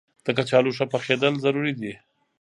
د کچالو ښه پخېدل ضروري دي.